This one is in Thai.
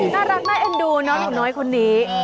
น่ารักน่าเอ็นดูน้องหนูน้อยคนนี้